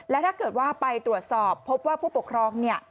และถ้าเกิดว่าไปตรวจสอบพบว่าผู้ปกครองเนี่ย